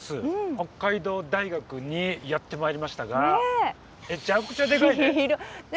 北海道大学にやって参りましたがめちゃくちゃデカいね。